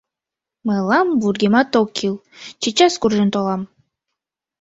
Мылам вургемат ок кӱл, чечас куржын толам.